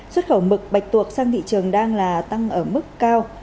xuất khẩu mực bạch tuộc sang thị trường đang là tăng ở mức cao